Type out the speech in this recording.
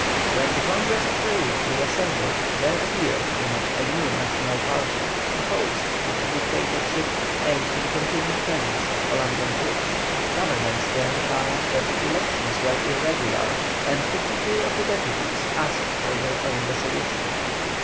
When the Congress of Peru re assembled there appeared in it a new national party, opposed to the Dictatorship and to the continued presence of Columbian troops. Government then found that the elections were irregular, and fifty two of the deputies asked for their own dissolution.